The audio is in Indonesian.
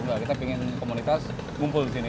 enggak kita ingin komunitas ngumpul di sini